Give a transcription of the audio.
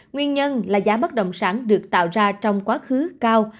nguyên nhân là giá bất động sản được tạo ra trong quá khứ cao